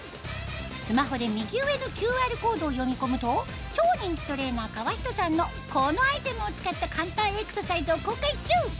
スマホで右上のＱＲコードを読み込むと超人気トレーナー川人さんのこのアイテムを使った簡単エクササイズを公開中